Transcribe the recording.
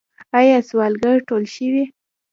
آیا سوالګر ټول شوي؟